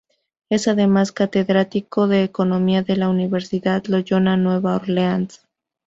Es además catedrático de economía de la Universidad Loyola Nueva Orleans.